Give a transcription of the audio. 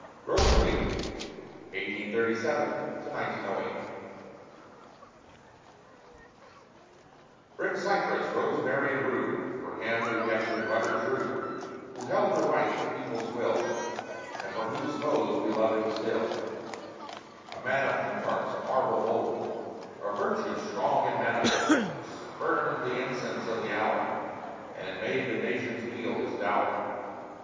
GROVER CLEVELAND [1837 1908] Bring cypress, rosemary and rue For him who kept his rudder true; Who held to right the people's will, And for whose foes we love him still. A man of Plutarch's marble mold, Of virtues strong and manifold, Who spurned the incense of the hour, And made the nation's weal his dower.